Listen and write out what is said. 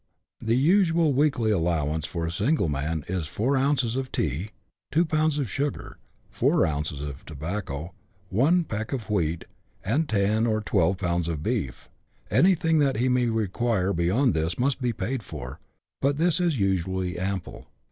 The usual weekly allowance for a single man is 4 ounces of tea, 2 lbs. of sugar, 4 ounces of tobacco, 1 peck of wheat, and 10 or 12 lbs. of beef; anything that he may require beyond this must be paid for, but this is usually ample.